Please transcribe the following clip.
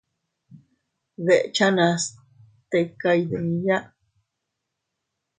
Dechanas tika iydiya.